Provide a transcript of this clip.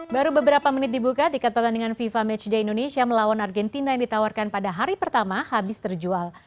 baru beberapa menit dibuka tiket pertandingan fifa matchday indonesia melawan argentina yang ditawarkan pada hari pertama habis terjual